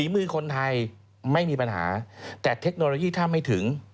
มือคนไทยไม่มีปัญหาแต่เทคโนโลยีถ้าไม่ถึง